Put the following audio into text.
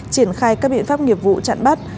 triển khai các biện pháp nghiệp vụ chặn bắt